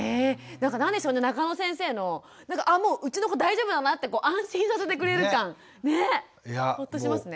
なんか何でしょうね中野先生のあもううちの子大丈夫だなって安心させてくれる感。ね？ね？